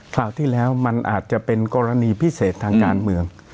คราวที่แล้วมันอาจจะเป็นกรณีพิเศษทางการเมือง